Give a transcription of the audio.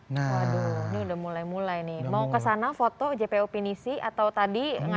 waduh ini udah mulai mulai nih mau kesana foto jpo pinisi atau tadi